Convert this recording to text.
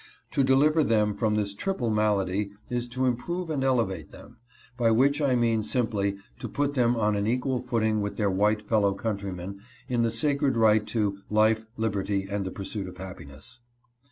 To deliver them from this triple malady is to improve and elevate them, by which I mean simply to put them on an equal footing with their white fellow countrymen in the sacred right to ' 'Life, Liberty, and the pursuit of happiness."